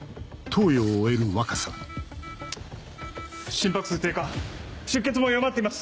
心拍数低下出血も弱まっています。